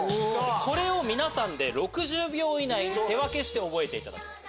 これを皆さんで６０秒以内に手分けして覚えていただきます。